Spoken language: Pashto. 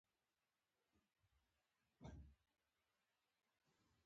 که مړه شوم